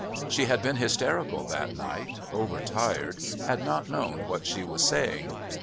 She had been hysterical that night, over tired, had not known what she was saying.